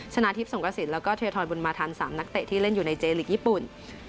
ชนะทิพย์สงกระสินแล้วก็เทียทรบุญมาทัน๓นักเตะที่เล่นอยู่ในเจลีกญี่ปุ่น